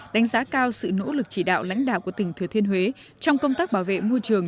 đánh giá cao sự nỗ lực chỉ đạo lãnh đạo của tỉnh thừa thiên huế trong công tác bảo vệ môi trường